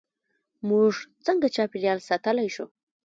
موږ څنګه چاپیریال ساتلی شو؟